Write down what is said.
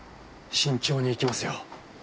慎重に行きますよ。